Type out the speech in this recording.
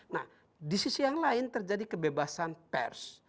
nah di sisi yang lain terjadi kebebasan pers